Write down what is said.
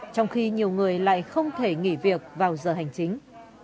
trong khi nhiều người lại không thể nghỉ việc vào giờ hành chính